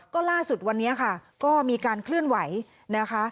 ก็ล่าสุดวันนี้ค่ะก็มีการเคลื่อนไหวนะคะ